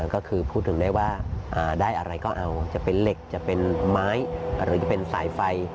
ก็คือพูดถึงได้ว่าได้อะไรก็เอาจะเป็นเหล็กจะเป็นไม้หรือจะเป็นสายไฟ